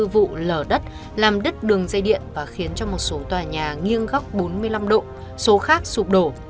nó cũng gây ra khoảng hai mươi bốn vụ lở đất làm đứt đường dây điện và khiến cho một số tòa nhà nghiêng góc bốn mươi năm độ số khác sụp đổ